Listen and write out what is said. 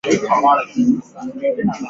流浪者校园讲座